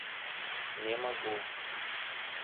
Не могу.